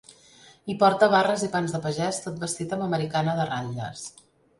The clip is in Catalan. Hi porta barres i pans de pagès, tot vestit amb americana de ratlles.